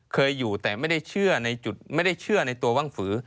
เคยอยู่แต่ไม่ได้เชื่อในตัวว่างฝือ